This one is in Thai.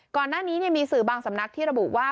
ก่อนหน้านี้มีสื่อบางสำนักที่ระบุว่า